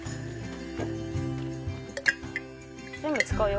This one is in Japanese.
全部使うよ？